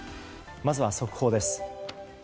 まずは速報です。